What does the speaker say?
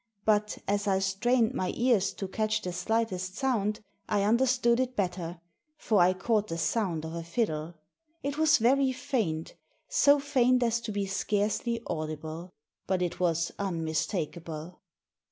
But, as I strained my ears to catch the slightest sound, I understood it better, for I caught the sound of a fiddle. It was very faint, so faint as to be scarcely audible. But it was unmistakable.